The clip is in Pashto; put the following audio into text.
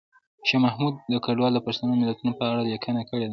شاه محمود کډوال د پښتو متلونو په اړه لیکنه کړې ده